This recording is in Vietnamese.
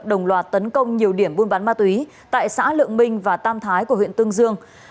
đồng loạt tấn công nhiều điểm buôn bán ma túy tại xã lượng minh và tam thái của huyện tương dương